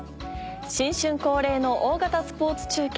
新春恒例の大型スポーツ中継